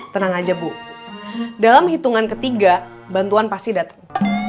tenang aja bu dalam hitungan ketiga bantuan pasti datang